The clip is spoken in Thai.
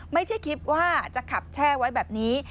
ไม่ใช่คิดว่าจะขับแช่ไว้แบบนี้